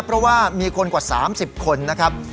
เพราะว่ามีคนกว่า๓๐คนนะครับ